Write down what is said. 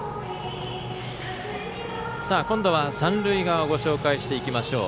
今度は三塁側をご紹介していきましょう。